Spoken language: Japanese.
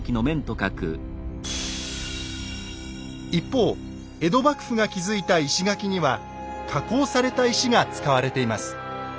一方江戸幕府が築いた石垣には加工された石が使われています。